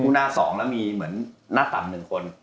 หน้า๒แล้วมีเหมือนหน้าต่ำ๑คน